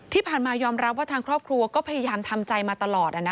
ที่ผ่านมายอมรับว่าทางครอบครัวก็พยายามทำใจมาตลอด